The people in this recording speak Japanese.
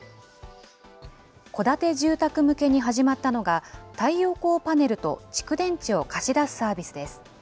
戸建て住宅向けに始まったのが、太陽光パネルと蓄電池を貸し出すサービスです。